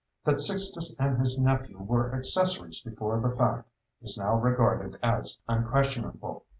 That Sixtus and his nephew were accessories before the fact is now regarded as unquestionable.